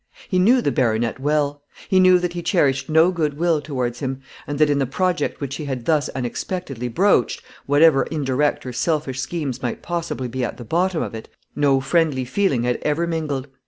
He knew the baronet well; he knew that he cherished no good will towards him, and that in the project which he had thus unexpectedly broached, whatever indirect or selfish schemes might possibly be at the bottom of it, no friendly feeling had ever mingled.